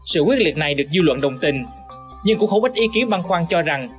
sự quyết liệt này được dư luận đồng tình nhưng cũng khổ bích ý kiến băn khoăn cho rằng